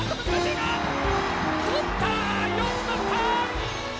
よく捕った！